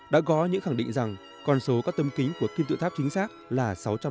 đã có những khẳng định rằng con số các tấm kính của kim tự thắp chính xác là sáu trăm sáu mươi sáu